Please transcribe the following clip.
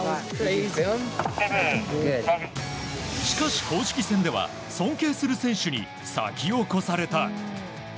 しかし公式戦では尊敬する選手に先を越された。